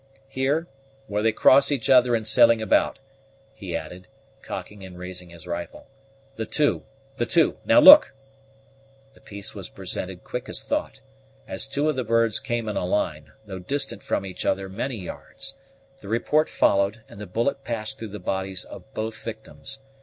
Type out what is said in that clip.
"Here, where they cross each other in sailing about," he added, cocking and raising his rifle; "the two the two. Now look!" The piece was presented quick as thought, as two of the birds came in a line, though distant from each other many yards; the report followed, and the bullet passed through the bodies of both victims.